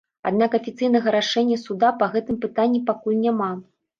Аднак афіцыйнага рашэння суда па гэтым пытанні пакуль няма.